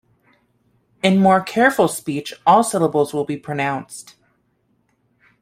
In more careful speech all syllables will be pronounced.